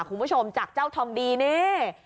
คุณผู้ชมจากเจ้าทองดีนี่